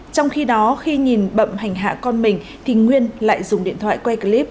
trong khi đó khi nhìn bậm hành hạ con mình thì nguyên lại dùng điện thoại quay clip